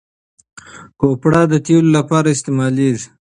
کوپره د تېلو لپاره استعمالیږي.